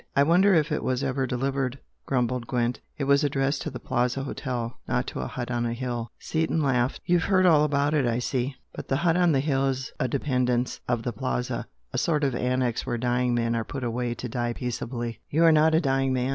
"I wonder if it was ever delivered!" grumbled Gwent "It was addressed to the Plaza Hotel not to a hut on a hill!" Seaton laughed. "You've heard all about it I see! But the hut on the hill is a 'dependence' of the Plaza a sort of annex where dying men are put away to die peaceably " "YOU are not a dying man!"